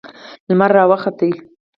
لمر را وخوت.